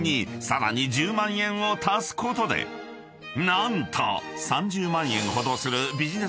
［何と３０万円ほどする］